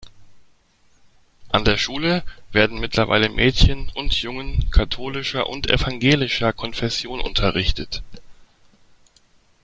An der Schule werden mittlerweile Mädchen und Jungen katholischer und evangelischer Konfession unterrichtet.